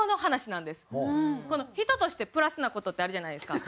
人としてプラスな事ってあるじゃないですか。